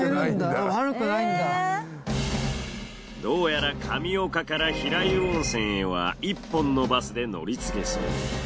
どうやら神岡から平湯温泉へは１本のバスで乗り継げそう。